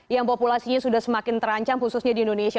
yang populasinya sudah semakin terancam khususnya di indonesia